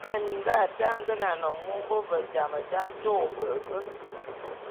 Mone minga ate a ngenan mongô, ve jam da a nto ôbe’ebek.